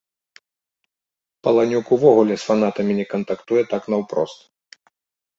Паланюк увогуле з фанатамі не кантактуе так наўпрост.